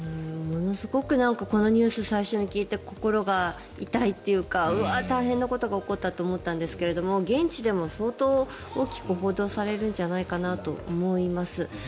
ものすごくこのニュース、最初に聞いて心が痛いっていうかうわ、大変なことが起こったと思ったんですが現地でも相当大きく報道されるんじゃないかと思います。